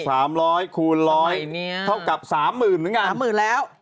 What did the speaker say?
จบไม่เกินแล้ว